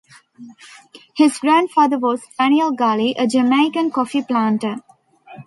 His grandfather was Daniel Gully, a Jamaican coffee planter.